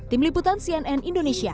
tim liputan cnn indonesia